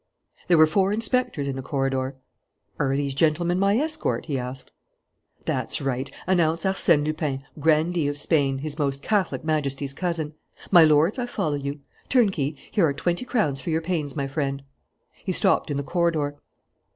There were four inspectors in the corridor. "Are these gentlemen my escort?" he asked. "That's right. Announce Arsène Lupin, grandee of Spain, his most Catholic Majesty's cousin. My lords, I follow you. Turnkey, here are twenty crowns for your pains, my friend." He stopped in the corridor.